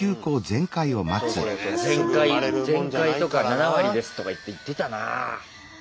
「全開」とか「７割です」とかいって言ってたな。